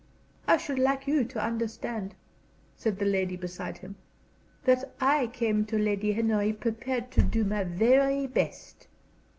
"I should like you to understand," said the lady beside him, "that I came to Lady Henry prepared to do my very best."